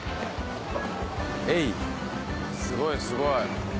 エイすごいすごい。